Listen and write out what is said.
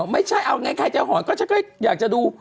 ไม่ใช่เอาไงใครจะหอนก็ฉันก็อยากจะดู